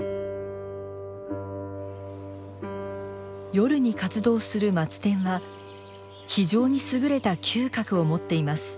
夜に活動するマツテンは非常に優れた嗅覚を持っています。